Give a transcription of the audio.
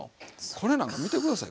これなんか見て下さい。